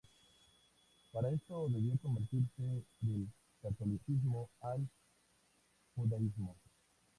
Para esto debió convertirse del catolicismo al judaísmo.